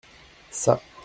Ça.